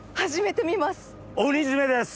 鬼絞めです。